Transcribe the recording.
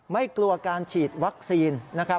ไม่กลัวการฉีดวัคซีนนะครับ